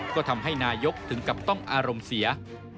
ก็ทำให้นายกถึงกับต้องอารมณ์เสีย